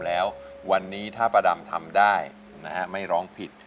แล้ววันนี้ถ้าป้าดำทำได้นะฮะไม่ร้องผิด